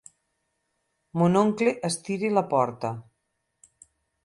Mon oncle estira la porta.